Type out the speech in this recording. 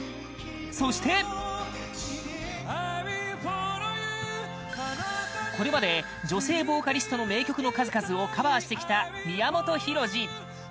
そしてこれまで、女性ボーカリストの名曲の数々をカバーしてきた宮本浩次